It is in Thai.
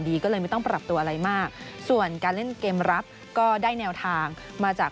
ดีก็เลยไม่ต้องปรับตัวอะไรมากส่วนการเล่นเกมรับก็ได้แนวทางมาจาก